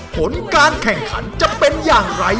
ผลการแข่งขันจะเป็นอย่างไร